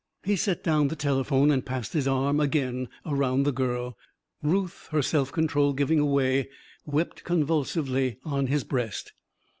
He set down the telephone and passed his arm again round the girl. Ruth, her self control giving way, wept convulsively on his breast.